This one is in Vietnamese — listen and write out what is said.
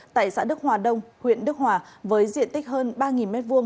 tại xã đức hòa đông huyện đức hòa với diện tích hơn ba m hai